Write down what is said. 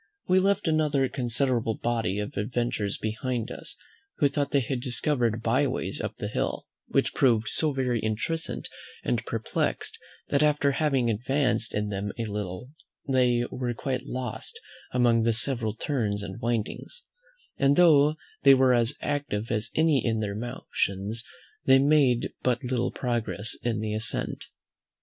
We left another considerable body of adventurers behind us who thought they had discovered byways up the hill, which proved so very intricate and perplexed, that after having advanced in them a little they were quite lost among the several turns and windings; and though they were as active as any in their motions, they made but little progress in the ascent.